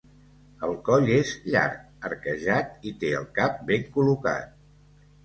El coll és llarg, arquejat i té el cap ben col·locat.